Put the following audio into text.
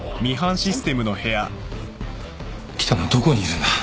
喜多野はどこにいるんだ？